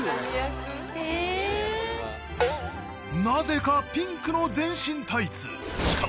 ［なぜかピンクの全身タイツ］